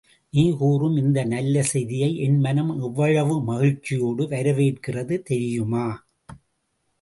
நீ கூறும் இந்த நல்ல செய்தியை என் மனம் எவ்வளவு மகிழ்ச்சியோடு வரவேற்கிறது தெரியுமா?